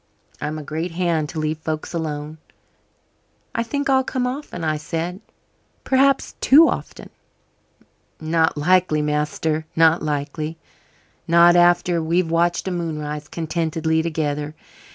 I'm a great hand to leave folks alone." "I think I'll come often," I said, "perhaps too often." "Not likely, master not likely not after we've watched a moonrise contentedly together.